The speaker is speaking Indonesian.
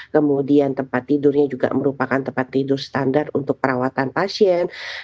kemudian tempat tidurnya juga merupakan tempat tidur standar untuk perawatan pasien